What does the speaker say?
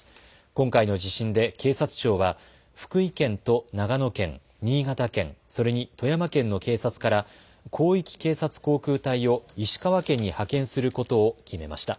今回の地震で警察庁は福井県と長野県、新潟県、それに富山県の警察から広域警察航空隊を石川県に派遣することを決めました。